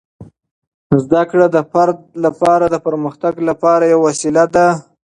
زده کړه د فرد لپاره د پرمختګ لپاره یوه وسیله ده.